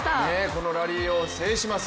このラリーを制します。